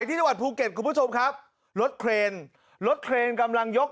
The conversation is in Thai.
ที่จังหวัดภูเก็ตคุณผู้ชมครับรถเครนรถเครนกำลังยก